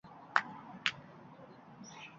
Yuqori darajadagi xavfsizlik